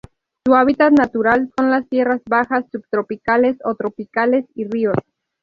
Su hábitat natural son las tierras bajas subtropicales o tropicales y ríos.